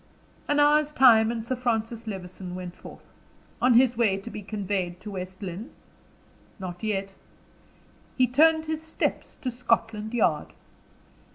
An hour's time, and Sir Francis Levison went forth. On his way to be conveyed to West Lynne? Not yet. He turned his steps to Scotland Yard.